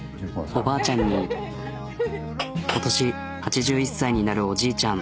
おばあちゃんに今年８１歳になるおじいちゃん。